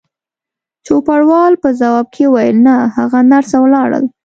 چوپړوال په ځواب کې وویل: نه، هغه نرسه ولاړل.